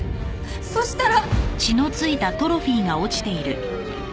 そしたら。